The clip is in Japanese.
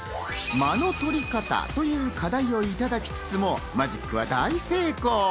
間の取り方という課題をいただきつつも、マジックは大成功！